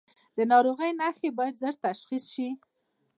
د ناروغۍ نښې باید ژر تشخیص شي.